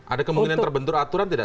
ada kemungkinan terbentur aturan tidak